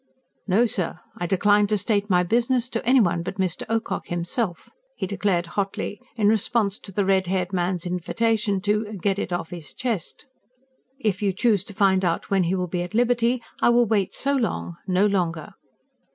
"No, sir, I decline to state my business to anyone but Mr. Ocock himself!" he declared hotly, in response to the red haired man's invitation to "get it off his chest." "If you choose to find out when he will be at liberty, I will wait so long no longer."